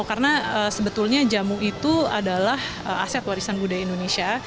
karena sebetulnya jamu itu adalah aset warisan budaya indonesia